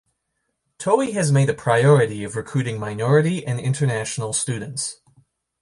Towey has made a priority of recruiting minority and international students.